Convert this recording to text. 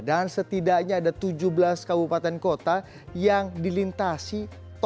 dan setidaknya ada tujuh belas kabupaten kota yang dilintasi tol trans jawa